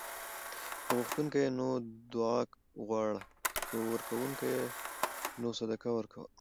که غوښتونکی یې نو دعا غواړه؛ که ورکونکی یې نو صدقه ورکوه